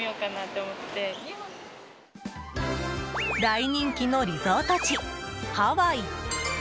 大人気のリゾート地、ハワイ。